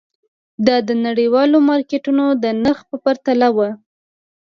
دا د نړیوالو مارکېټونو د نرخ په پرتله وو.